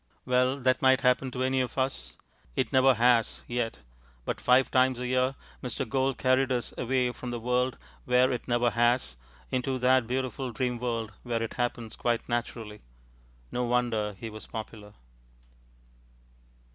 Well, that might happen to any of us. It never has yet... but five times a year Mr. Gould carried us away from the world where it never has into that beautiful dream world where it happens quite naturally. No wonder that he was popular.